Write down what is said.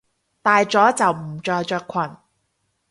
大咗就唔再着裙！